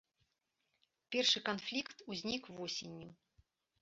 Першы канфлікт узнік восенню.